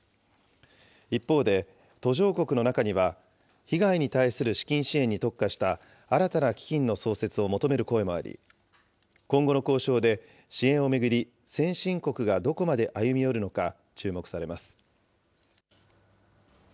一方で、途上国の中には被害に対する資金支援に特化した新たな基金の創設を求める声もあり、今後の交渉で支援を巡り、先進国がどこまで歩み寄るのか注目されます。